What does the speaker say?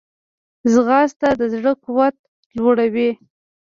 ځغاسته د زړه قوت لوړوي